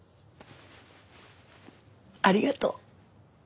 ありがとう。